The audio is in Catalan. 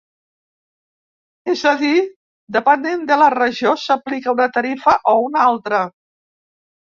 És a dir, depenent de la regió s'aplica una tarifa o una altra.